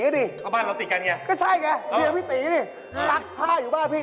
สบายเรื่องอะไร